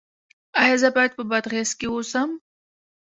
ایا زه باید په بادغیس کې اوسم؟